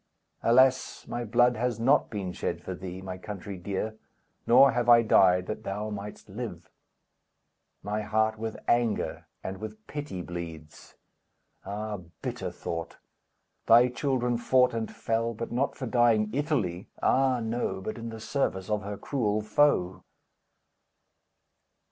Alas, my blood has not been shed for thee, My country dear! Nor have I died That thou mightst live! My heart with anger and with pity bleeds. Ah, bitter thought! Thy children fought and fell; But not for dying Italy, ah, no, But in the service of her cruel foe!